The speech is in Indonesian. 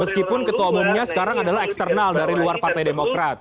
meskipun ketua umumnya sekarang adalah eksternal dari luar partai demokrat